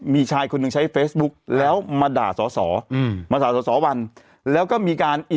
มีชายคนหนึ่งใช้เฟซบุ๊กแล้วมาด่าสอสออืมมาด่าสอสอวันแล้วก็มีการอี